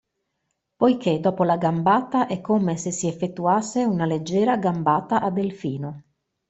Poiché dopo la gambata è come se si effettuasse una leggera gambata a delfino.